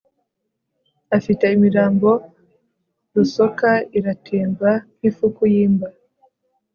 afite imirambo Rusoka iratimba nkifuku yimba